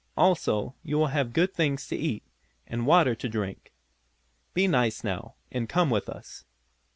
Also you will have good things to eat and water to drink. Be nice now, and come with us."